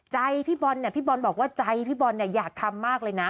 ใจพี่บอลบอกว่าใจพี่บอลอยากทำมากเลยนะ